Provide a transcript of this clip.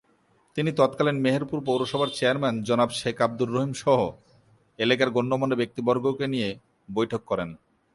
তিনি তৎকালীন মেহেরপুর পৌরসভার চেয়ারম্যান জনাব শেখ আব্দুর রহিম সহ এলাকার গণ্যমান্য ব্যক্তিবর্গকে নিয়ে বৈঠক করেন।